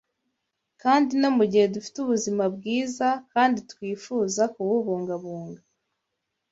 Kandi no mu gihe dufite ubuzima bwiza kandi twifuza kububungabunga